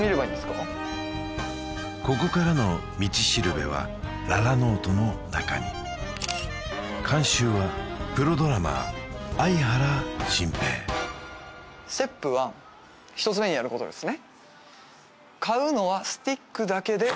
ここからの道しるべはララＮＯＴＥの中に監修はプロドラマー合原晋平１つ目にやることですねえっ！？